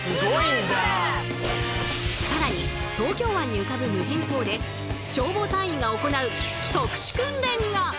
さらに東京湾に浮かぶ無人島で消防隊員が行う特殊訓練が！